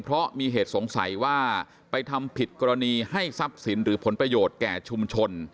เพราะมีเหตุสงสัยว่าไปทำผิดกรณีให้ทรัพย์สินหรือผลประโยชน์แก่ชุมชน